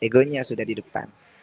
ego nya sudah di depan